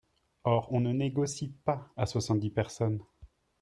Or on ne négocie pas à soixante-dix personnes.